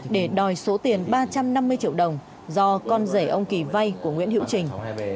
để đòi số tiền ba trăm năm mươi triệu đồng do con rể ông kỳ vay của nguyễn hữu trình